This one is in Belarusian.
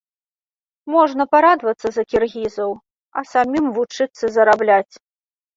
Можна парадавацца за кіргізаў, а самім вучыцца зарабляць.